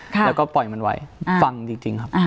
แล้วก็ปล่อยมันไว้ฟังจริงครับ